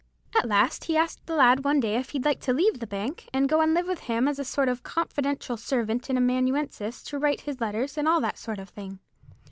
At last he asked the lad one day if he'd like to leave the bank, and go and live with him as a sort of confidential servant and amanuensis, to write his letters, and all that sort of thing.